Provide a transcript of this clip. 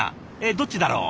どっちだろう？